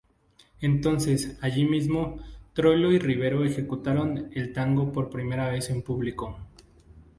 Entonces, allí mismo, Troilo y Rivero ejecutaron el tango por primera vez en público.